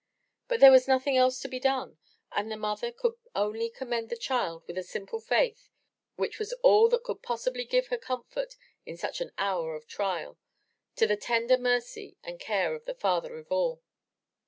But there was nothing else to be done, and the mother could only commend the child with a simple faith which was all that could possibly give her comfort in such an hour of trial, to the tender mercy and care of the Father of all.